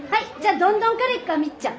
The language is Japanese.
「どんどん」。